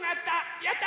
やった！